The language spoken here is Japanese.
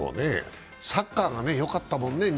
サッカーがよかったもんね。